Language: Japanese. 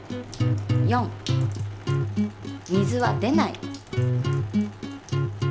４「水は出ない」。